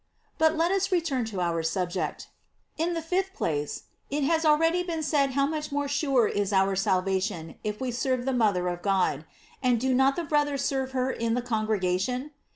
But let us return to out subject. In the fifth place: It has already been said how much more sure is our salvation if we serve the mother of God; and do not the brothers serve her in the congregation